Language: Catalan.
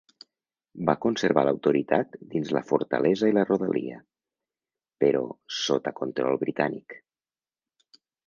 Va conservar l'autoritat dins la fortalesa i la rodalia, però sota control britànic.